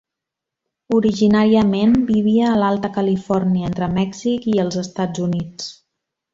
Originàriament vivia a l'Alta Califòrnia, entre Mèxic i els Estats Units.